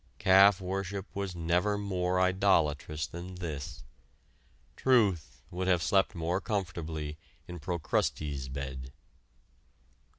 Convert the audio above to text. Calf worship was never more idolatrous than this. Truth would have slept more comfortably in Procrustes' bed.